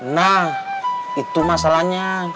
nah itu masalahnya